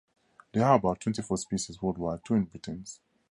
There are about twenty-four species worldwide, two in Britain.